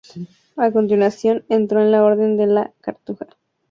A continuación, entró en la Orden de la Cartuja.